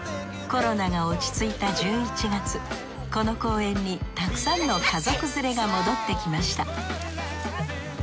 コロナが落ち着いた１１月この公園にたくさんの家族連れが戻ってきました